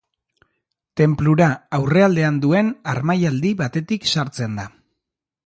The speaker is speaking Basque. Tenplura, aurrealdean duen harmailadi batetik sartzen da.